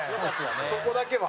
そこだけは。